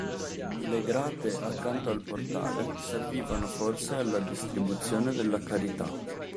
Le grate accanto al portale servivano forse alla distribuzione della carità.